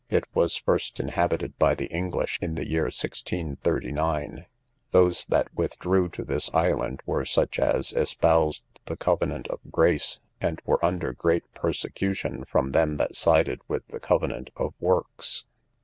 It was first inhabited by the English in the year 1639. Those that withdrew to this island were such as espoused the covenant of grace, and were under great persecution from them that sided with the covenant of works.